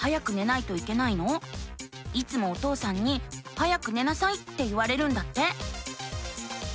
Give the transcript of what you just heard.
いつもお父さんに「早く寝なさい」って言われるんだって。